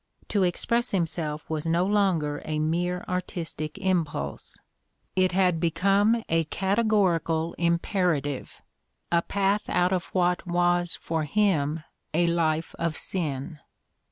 To express himself was no longer a mere artistic impulse; it had become a cate Mustered Out 251 gorical imperative, a path out of what was for him a life of sin.